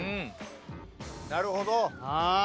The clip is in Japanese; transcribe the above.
なるほど！